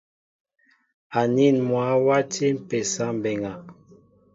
Anin mwă wati mpésa mbéŋga.